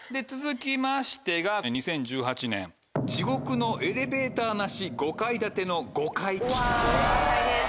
続きましてが２０１８年地獄のエレベーターなし５階建ての５階期。